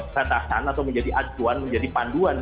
batasan atau menjadi acuan menjadi panduan